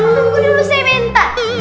tunggu dulu saya minta